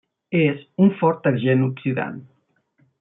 És un fort agent oxidant.